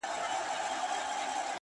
زه د تورسترگو سره دغسي سپين سترگی يمه ـ